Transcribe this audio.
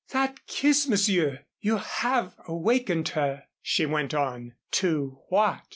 "That kiss, Monsieur! You have awakened her," she went on, "to what?"